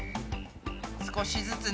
少しずつね。